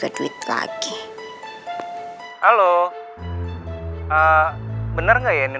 aduh gimana ini